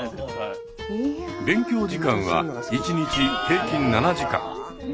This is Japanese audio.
勉強時間は１日平均７時間。